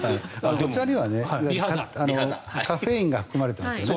お茶にはカフェインが含まれていますよね。